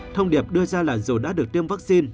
thông điệp đưa ra là dù đã được tiêm vaccine